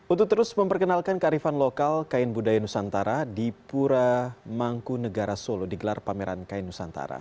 untuk terus memperkenalkan kearifan lokal kain budaya nusantara di pura mangku negara solo digelar pameran kain nusantara